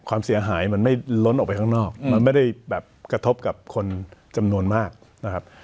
ความเสียหายมันไม่ล้นออกไปข้างนอกมันไม่ได้แบบกระทบกับคนจำนวนมากนะครับ